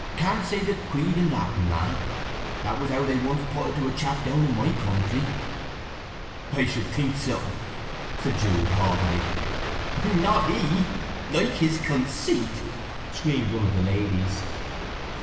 Canst say the Creed in Latin, man? That was how they once put it to a chap down in my country." "I should think so!" said Jude haughtily. "Not he! Like his conceit!" screamed one of the ladies.